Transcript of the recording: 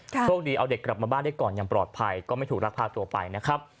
โชคดีเอาเด็กกลับมาบ้านได้ก่อนอย่างปลอดภัยก็ไม่ถูกรักพาตัวไปนะครับ